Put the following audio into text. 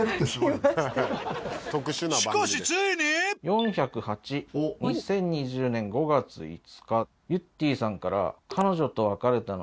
しかしついに４０８２０２０年５月５日ゆってぃさんから。